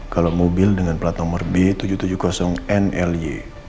kalau mobil dengan plat nomor b tujuh ratus tujuh puluh nly